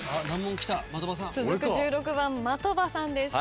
続く１６番的場さんです。